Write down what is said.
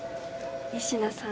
仁科さん